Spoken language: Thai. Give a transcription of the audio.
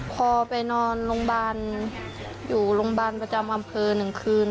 พอไปนอนโรงพยาบาลอยู่โรงพยาบาลประจำอำเภอ๑คืน